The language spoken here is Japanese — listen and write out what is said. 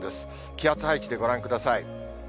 気圧配置でご覧ください。